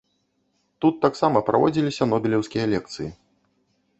Тут таксама праводзіліся нобелеўскія лекцыі.